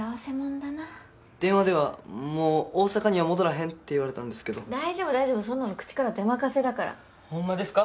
電話ではもう大阪には戻らへんって言われたんですけど大丈夫大丈夫そんなの口から出任せだからほんまですか？